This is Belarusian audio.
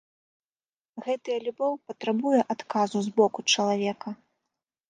Гэтая любоў патрабуе адказу з боку чалавека.